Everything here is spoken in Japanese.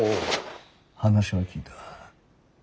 話は聞いた。